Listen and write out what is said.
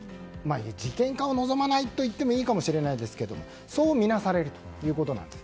事件化を望まないといっていいかもしれないですけどそうみなされるということです。